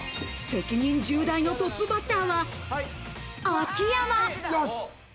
責任重大なトップバッターは、秋山。